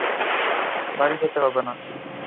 বাড়ি যেতে হবে না।